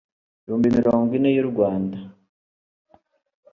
ibihumbi mirongo ine y u Rwanda